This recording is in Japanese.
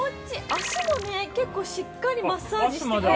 足もね、結構しっかりマッサージしてくれて。